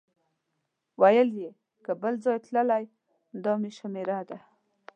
ویل یې که بل ځای تللی دا مې شمېره ده.